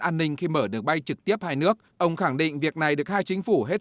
an ninh khi mở đường bay trực tiếp hai nước ông khẳng định việc này được hai chính phủ hết